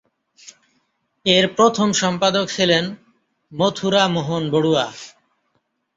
এর প্রথম সম্পাদক ছিলেন মথুরা মোহন বড়ুয়া।